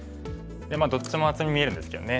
どっちも厚みに見えるんですけどね。